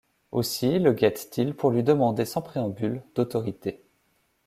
Aussi le guettent-ils pour lui demander sans préambule, d’autorité